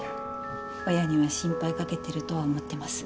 親には心配かけてるとは思ってます